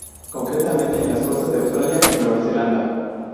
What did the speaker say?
Concretamente, en las costas de Australia y Nueva Zelanda.